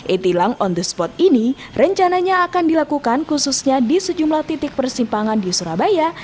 e tilang on the spot ini rencananya akan dilakukan khususnya di sejumlah titik persimpangan di surabaya